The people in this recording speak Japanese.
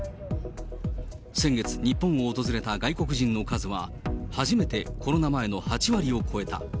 先月、日本を訪れた外国人の数は初めてコロナ前の８割を超えた。